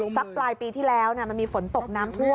ปลายปีที่แล้วมันมีฝนตกน้ำท่วม